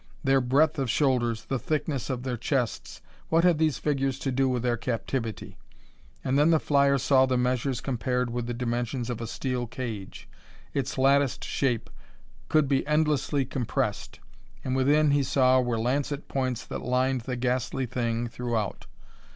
Their breadth of shoulders, the thickness of their chests what had these figures to do with their captivity? And then the flyer saw the measures compared with the dimensions of a steel cage. Its latticed shape could be endlessly compressed, and within, he saw, were lancet points that lined the ghastly thing throughout.